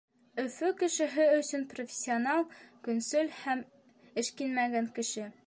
Өфө кешеһе өсөн профессионал — көнсөл һәм эшкинмәгән кеше.